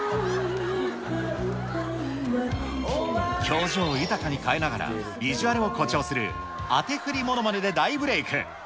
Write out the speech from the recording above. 表情を豊かに変えながら、ビジュアルを誇張する当て振りものまねで大ブレーク。